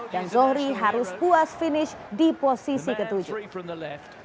dan zohri harus puas finish di posisi ketujuh